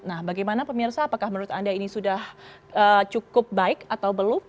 nah bagaimana pemirsa apakah menurut anda ini sudah cukup baik atau belum